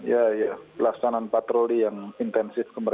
ya pelaksanaan patroli yang intensif